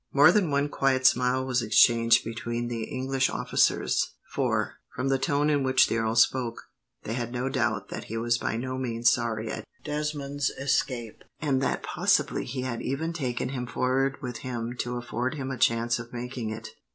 More than one quiet smile was exchanged between the English officers, for, from the tone in which the earl spoke, they had no doubt that he was by no means sorry at Desmond's escape, and that possibly he had even taken him forward with him to afford him a chance of making it.